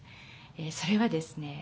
それはですね